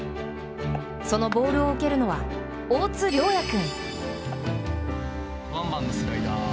そのボールを受けるのは大津綾也君。